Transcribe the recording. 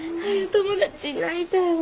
友達になりたいわ。